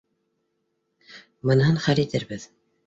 Быныһын хәл итербеҙ